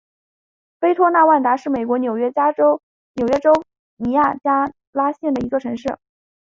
北托纳万达是美国纽约州尼亚加拉县的一座城市。